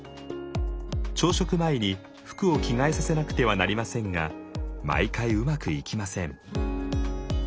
朝食前に服を着替えさせなくてはなりませんが毎回うまくいきません。